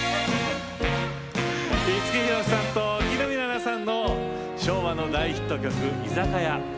五木ひろしさんと木の実ナナさんの昭和の大ヒット曲「居酒屋」。